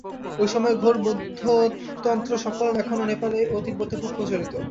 ঐ সময়ের ঘোর বৌদ্ধতন্ত্রসকল এখনও নেপালে ও তিব্বতে খুব প্রচলিত।